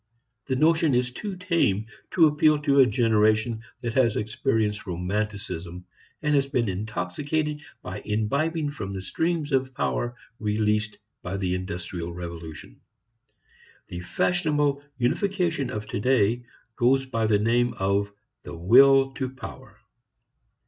The notion is too tame to appeal to a generation that has experienced romanticism and has been intoxicated by imbibing from the streams of power released by the industrial revolution. The fashionable unification of today goes by the name of the will to power.